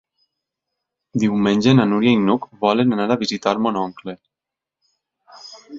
Diumenge na Núria i n'Hug volen anar a visitar mon oncle.